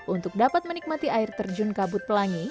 untuk dapat menikmati air terjun kabut pelangi